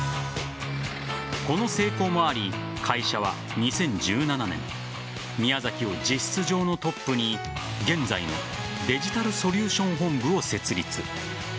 この成功もあり会社は２０１７年宮崎を実質上のトップに現在のデジタルソリューション本部を設立。